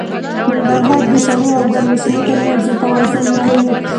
ننګرهار د سړو او ګرمو سیمو تر منځ یو توازن لري.